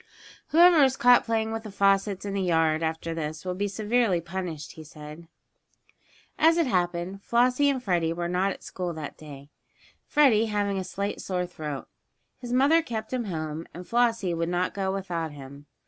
"Whoever is caught playing with the faucets in the yard after this will be severely punished," he said. As it happened, Flossie and Freddie were not at school that day, Freddie having a slight sore throat. His mother kept him home, and Flossie would not go without him.